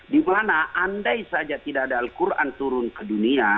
dimana andai saja tidak ada al quran turun ke dunia